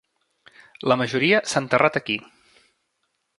La majoria s'ha enterrat aquí.